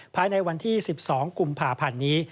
ภายในวันที่๑๒กุมภาพันธ์นี้